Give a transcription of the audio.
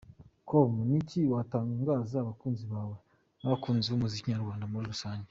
com: Ni iki watangariza abakunzi bawe n’abakunzi b’umuziki nyarwanda muri Rusange?.